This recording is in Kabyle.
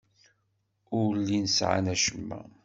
Ur llin sɛan acemma.